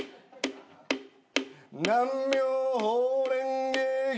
南無妙法蓮華経。